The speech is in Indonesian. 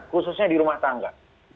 khususnya di rumah tangga